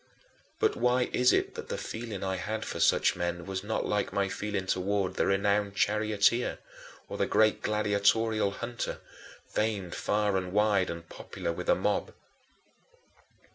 But why is it that the feeling I had for such men was not like my feeling toward the renowned charioteer, or the great gladiatorial hunter, famed far and wide and popular with the mob?